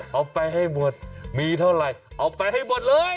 เอาไปให้หมดมีเท่าไหร่เอาไปให้หมดเลย